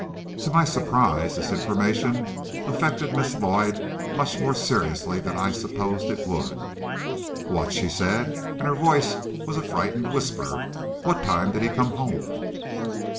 To my surprise this information affected Miss Lloyd much more seriously than I supposed it would. "What?" she said, and her voice was a frightened whisper. "What time did he come home?"